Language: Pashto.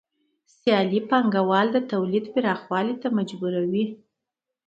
سیالي پانګوال د تولید پراخوالي ته مجبوروي